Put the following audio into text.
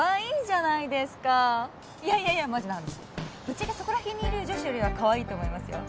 ぶっちゃけそこら辺にいる女子よりはかわいいと思いますよ。